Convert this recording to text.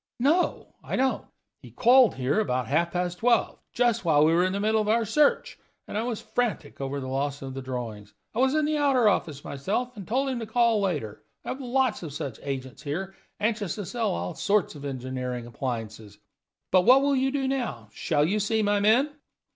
"No, I don't. He called here about half past twelve, just while we were in the middle of our search and I was frantic over the loss of the drawings. I was in the outer office myself, and told him to call later. I have lots of such agents here, anxious to sell all sorts of engineering appliances. But what will you do now? Shall you see my men?"